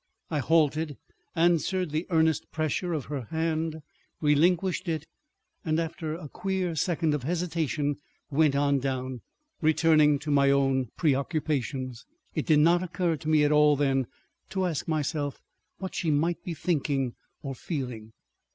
I halted, answered the earnest pressure of her hand, relinquished it, and after a queer second of hesitation went on down, returning to my own preoccupations. It did not occur to me at all then to ask myself what she might be thinking or feeling.